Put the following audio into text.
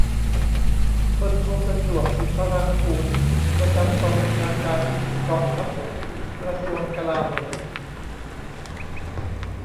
พลโท ประจวบ สุนทรางกูร ประจำกองบัญชาการกองทัพบก กระทรวงกลาโหม